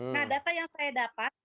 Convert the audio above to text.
nah data yang saya dapat